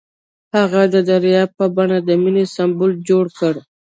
هغه د دریاب په بڼه د مینې سمبول جوړ کړ.